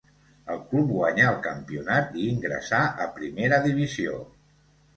El club guanyà el campionat i ingressà a primera divisió.